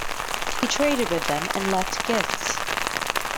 He traded with them and left gifts.